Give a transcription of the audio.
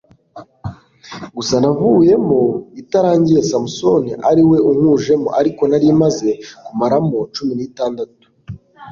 gusa navuyemo itarangiye samson ariwe unkujemo ariko narimaze kumaramo cumu nitandatu